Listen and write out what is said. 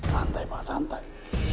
santai pak santai